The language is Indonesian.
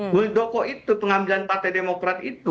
muldoko itu pengambilan partai demokrat itu